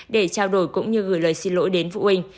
để trao đổi cũng như gửi lời xin lỗi đến phụ huynh